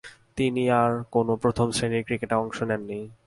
তিনি আর কোন প্রথম-শ্রেণীর ক্রিকেটে অংশ নেননি।